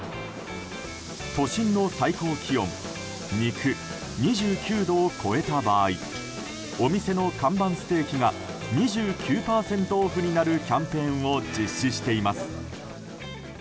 都心の最高気温「にく」２９度を超えた場合お店の看板ステーキが２９％オフになるキャンペーンを実施しています。